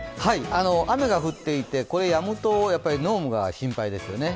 雨が降っていて、やむと濃霧が心配ですよね。